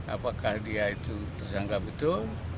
apakah dia itu tersangka betul